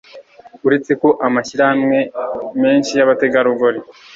uretse ko amashyirahamwe menshi y'abategarugori